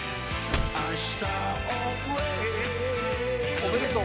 おめでとう。